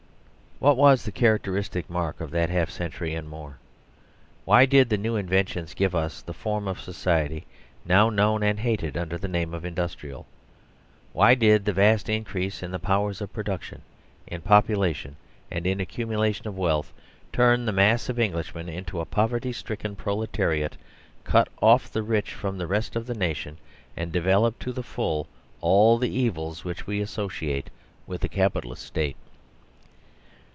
What was the characteristic mark of that half cen tury and more ? Why did the new inventions give us the form of society now known and hated under the name of Industrial? Why did the vast increase in the powers of production, in population and in accumu lation of wealth, turn the mass of Englishmen into a poverty stricken proletariat, cut off the rich from the rest of the nation, and develop to the full all the evils which we associate with the Capitalist State